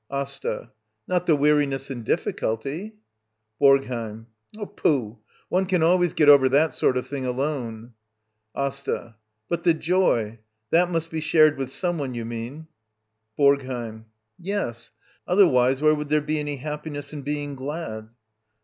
AsTA. Not the weariness and diflSculty? BoRGHEiM. Pooh! — One can always get over that sort of thing alone. AsTA. Bu t the iov — that^inusLjj§_shared with^, Uraie one, you mean? B^GHEiM. Yes. Otherwise, where would there . I h^r^ny happiness in being glad